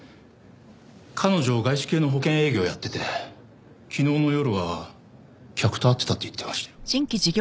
彼女外資系の保険営業やってて昨日の夜は客と会ってたって言ってましたよ。